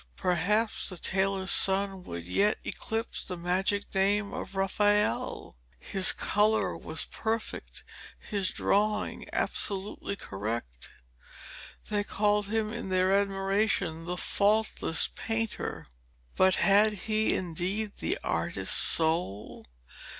Perhaps the tailor's son would yet eclipse the magic name of Raphael. His colour was perfect, his drawing absolutely correct. They called him in their admiration 'the faultless painter.' But had he, indeed, the artist soul?